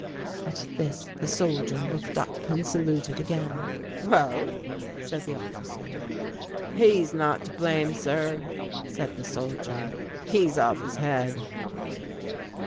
At this the soldier looked up and saluted again. "Well?" said the officer. "He's not to blame, sir," said the soldier, "he's off his head."